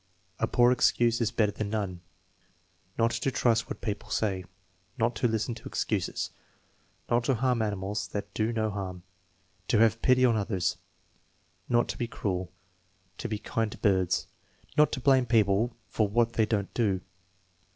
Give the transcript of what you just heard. "A poor excuse is better than none." "Not to trust what people say." "Not to listen to excuses." "Not to harm animals that do no harm." "To have pity on others." "Not to be cruel." "To be kind to birds." "Not to blame people for what they don't do."